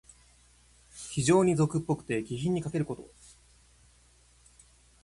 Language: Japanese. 非情に俗っぽくて、気品にかけること。